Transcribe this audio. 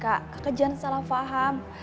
kak kakak jangan salah faham